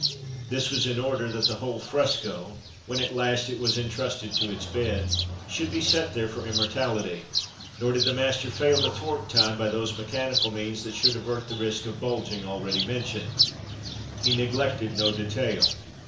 This was in order that the whole fresco, when at last it was entrusted to its bed, should be set there for immortality. Nor did the master fail to thwart time by those mechanical means that should avert the risk of bulging already mentioned. He neglected no detail.